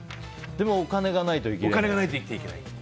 でも、お金がないと生きていけないと。